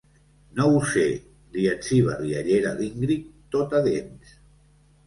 No ho sé, —li etziba riallera l'Ingrid, tota dents—.